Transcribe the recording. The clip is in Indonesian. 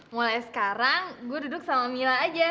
mulai sekarang gue duduk sama mila aja